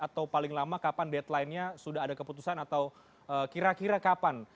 atau paling lama kapan deadline nya sudah ada keputusan atau kira kira kapan